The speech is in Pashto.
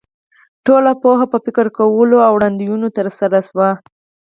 ټوله پوهه په فکر کولو او وړاندوینو تر لاسه شوې.